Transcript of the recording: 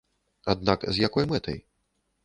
Аднак з якой мэтай?